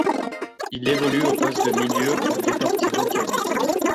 Il évolue au poste de milieu au Deportivo Cali.